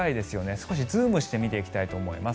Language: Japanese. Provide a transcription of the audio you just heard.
少しズームして見ていきたいと思います。